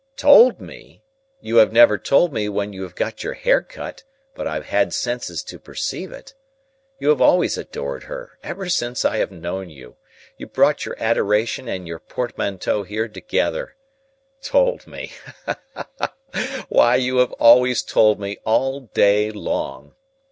"Told me! You have never told me when you have got your hair cut, but I have had senses to perceive it. You have always adored her, ever since I have known you. You brought your adoration and your portmanteau here together. Told me! Why, you have always told me all day long.